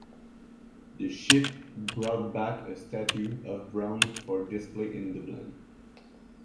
The ship brought back a statue of Brown for display in Dublin.